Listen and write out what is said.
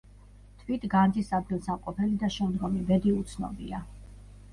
თვით განძის ადგილსამყოფელი და შემდგომი ბედი უცნობია.